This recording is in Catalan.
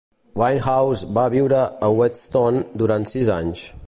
Winehouse va viure a Whetstone durant sis anys.